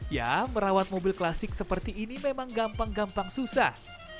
ya merawat mobil klasik seperti ini memang gampang gampang susah